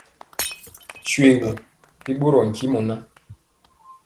Shoégu, bi ɓorɔɔ ntimɔ ŋan.